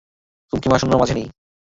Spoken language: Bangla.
হুমকি মহাশূন্যের মাঝে নেই।